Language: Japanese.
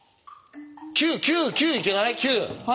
９！９いけない？